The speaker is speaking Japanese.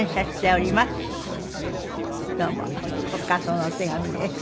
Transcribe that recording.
お母様のお手紙です。